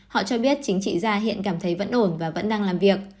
họ cho biết chính trị gia hiện cảm thấy vẫn ổn và vẫn đang làm việc